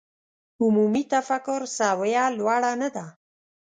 عمومي تفکر سویه لوړه نه ده.